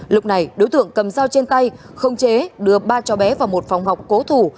lúc này đối tượng cầm dao trên tay không chế đưa ba cháu bé vào một phòng học cố thủ